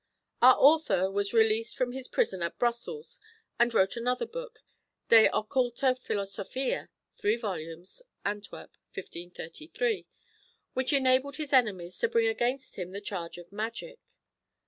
Our author was released from his prison at Brussels, and wrote another book, De occulta Philosophia (3 vols., Antwerp, 1533), which enabled his enemies to bring against him the charge of magic.